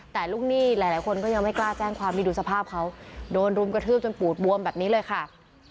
แต่ลูกหนี้หลายคนก็ยังไม่กล้าแจ้งความนี่ดูสภาพเขาโดนรุมกระทืบจนปูดบวมแบบนี้เลยค่ะ